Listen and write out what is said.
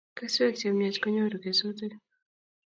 keswek chemiach konyoru kesutik